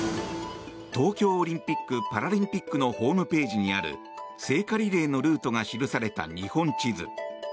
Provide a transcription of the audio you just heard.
東京オリンピック・パラリンピックのホームページにある聖火リレーのルートが記された日本地図。